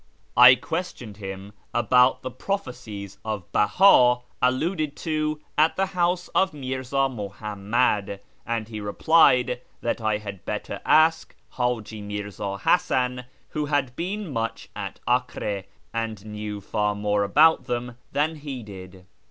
I questioned him about the prophecies of Beha alluded to at the house of Mirza Muhammad, and he replied that I had better ask H;iji Mirza Hasan, who had been much at Acre, and knew far more about them than he did.